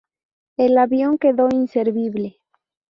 El avión quedó inservible.